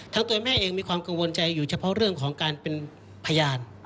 ตัวแม่เองมีความกังวลใจอยู่เฉพาะเรื่องของการเป็นพยาน